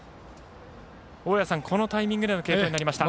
大矢さん、このタイミングでの継投になりました。